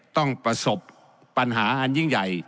ประสบปัญหาอันยิ่งใหญ่